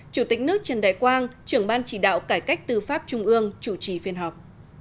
chủ tịch nước trần đại quang trưởng ban chỉ đạo cải cách tư pháp trung ương chủ trì phiên họp